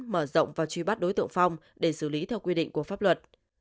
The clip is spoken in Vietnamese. mở rộng và truy bắt đối tượng phong để xử lý theo quy định của pháp luật